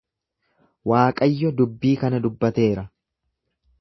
Waaqayyo dubbii kana dubbateera.